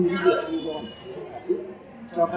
với việc thu gom vỏ hộp sữa